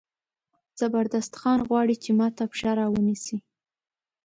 زبردست خان غواړي چې ما ته پښه را ونیسي.